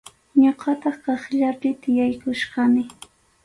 Ñuqataq kaqllapi tiyaykuchkani.